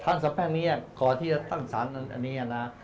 ทางสำแพงนี้ก่อนที่จะตั้งศาลอันนี้นะ